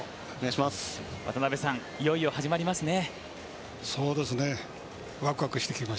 渡辺さん、いよいよ始まりますね。